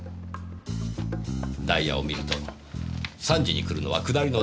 ダイヤを見ると３時に来るのは下りの電車です。